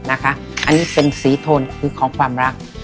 อันนี้เป็นสีโทนคือของความรัก